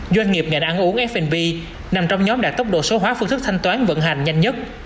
doanh nghiệp ngành ăn uống f b nằm trong nhóm đạt tốc độ số hóa phương thức thanh toán vận hành nhanh nhất